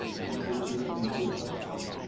一個就可以做好